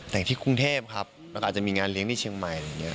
แต่งที่กรุงเทพครับแล้วก็อาจจะมีงานเลี้ยงที่เชียงใหม่อะไรอย่างนี้